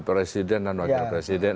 presiden dan wakil presiden